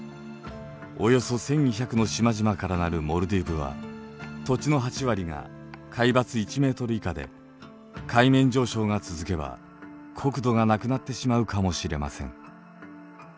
およそ１，２００の島々から成るモルディブは土地の８割が海抜１ｍ以下で海面上昇が続けば国土がなくなってしまうかもしれません。